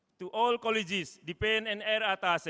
untuk semua kolegis di pnnr atase